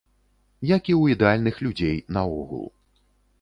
Як і ў ідэальных людзей наогул.